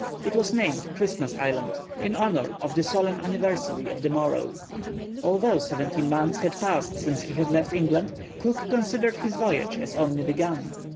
It was named Christmas Island, in honour of the solemn anniversary of the morrow. Although seventeen months had passed since he left England, Cook considered his voyage as only begun.